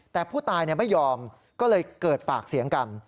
แต่ผู้ตายไม่ยอมก็เลยเกิดปากเสียงกัน